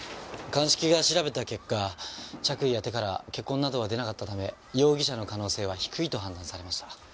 鑑識が調べた結果着衣や手から血痕などは出なかったため容疑者の可能性は低いと判断されました。